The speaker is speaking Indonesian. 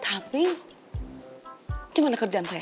tapi gimana kerjaan saya